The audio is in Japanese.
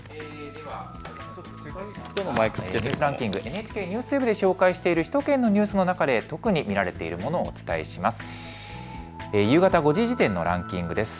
ではＮＨＫＮＥＷＳＷＥＢで紹介している首都圏のニュースの中で特に見られているものをお伝えします。